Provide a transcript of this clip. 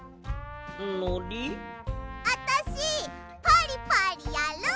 あたしパリパリやる！